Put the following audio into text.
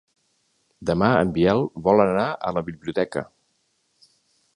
Demà en Biel vol anar a la biblioteca.